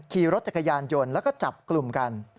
ขี่รถจักรยานยนต์แล้วก็จับกลุ่มกัน